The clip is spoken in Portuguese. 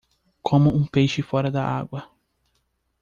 Como um peixe fora da agua.